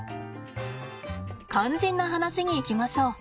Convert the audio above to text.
肝心な話に行きましょう。